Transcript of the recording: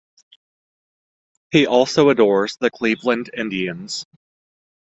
He also adores the Cleveland Indians.